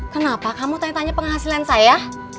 kenapa kamu tanya tanya penghasilan saya